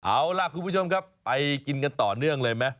เอาล่ะคุณผู้ชมครับไปกินกันต่อเนื่องเลยไหม